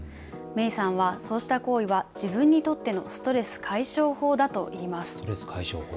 メイさんは、そうした行為は自分にとってのストレス解消法だといいます。